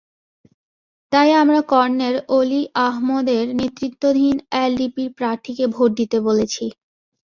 তাই আমরা কর্নেল অলি আহমদের নেতৃত্বধীন এলডিপির প্রার্থীকে ভোট দিতে বলেছি।